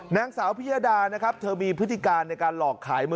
นางสาวพิยดานะครับ